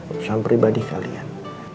urusan pribadi kalian